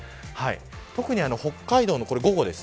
特に北海道のこれ午後です。